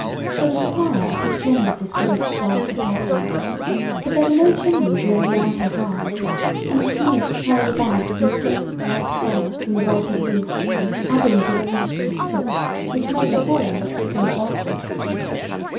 There was a fire at each end of this great dark apartment, but there were no chimneys over the ample hearths, and the smoke curled about in thick white folds in the vaulted roof, adding to the wreaths of soot, which made the hall look still darker.